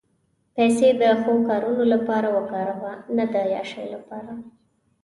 پېسې د ښو کارونو لپاره وکاروه، نه د عیاشۍ لپاره.